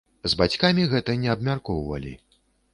З бацькамі гэта не абмяркоўвалі.